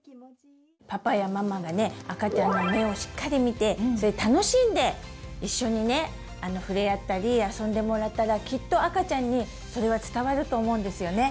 パパやママがね赤ちゃんの目をしっかり見て楽しんで一緒にねふれあったり遊んでもらったらきっと赤ちゃんにそれは伝わると思うんですよね！